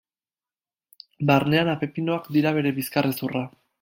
Barnean Apeninoak dira bere bizkarrezurra.